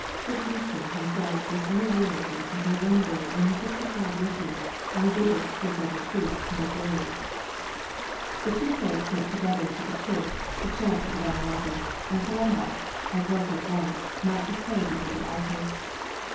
Cruithnechan himself was unaware of this until one day when he took the child with him on a visit to a brother priest near Derry. The two clerics went together to the Church to chant the Divine Office, and Columba, as was his wont, knelt to pray before the altar.